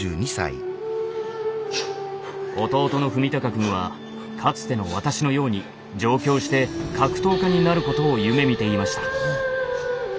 弟の史崇くんはかつての私のように上京して格闘家になることを夢みていました。